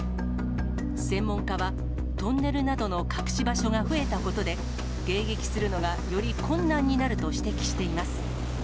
専門家は、トンネルなどの隠し場所が増えたことで、迎撃するのがより困難になると指摘しています。